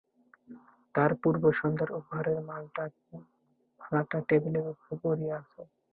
তার পূর্বসন্ধ্যার উপহারের মালাটা টেবিলের উপর পড়িয়া আছে।